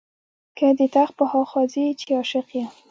که دي تخت په هوا ځي چې عاشق یې.